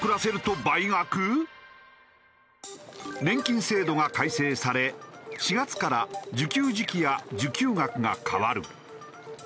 年金制度が改正され４月から受給時期や受給額が変わる。